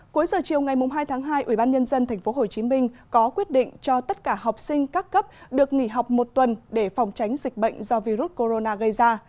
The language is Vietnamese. cuối giờ chiều ngày hai tháng hai ubnd tp hcm có quyết định cho tất cả học sinh các cấp được nghỉ học một tuần để phòng tránh dịch bệnh do virus corona gây ra